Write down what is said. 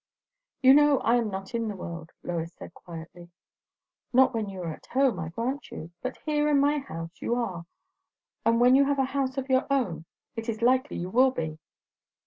"You know, I am not in the world," Lois answered quietly. "Not when you are at home, I grant you; but here, in my house, you are; and when you have a house of your own, it is likely you will be.